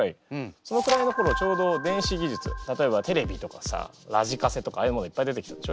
そのくらいのころちょうど電子技術例えばテレビとかさラジカセとかああいうものいっぱい出てきたでしょ？